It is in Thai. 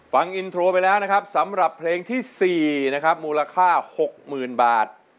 ฟังอินโทรไปแล้วนะครับสำหรับเพลงที่๔นะครับมูลค่า๖๐๐๐บาท